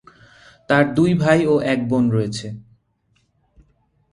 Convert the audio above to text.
তার দুই ভাই ও এক বোন রয়েছে।